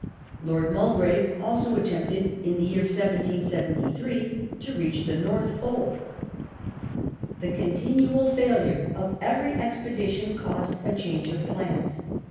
Lord Mid grave also at tempted in the year 1773 to reach the >lorih Pole. The continual failure of every expedition caused a change of plans.